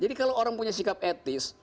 jadi kalau orang punya sikap etis